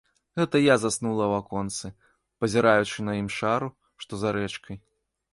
Гэта я заснула ў аконцы, пазіраючы на імшару, што за рэчкай.